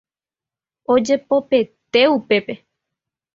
Ojepopete upépe.